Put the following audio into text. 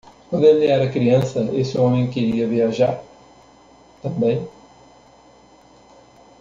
Quando ele era criança, esse homem queria viajar? também.